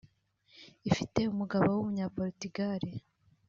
ifite umugabo w’umunya Porutigale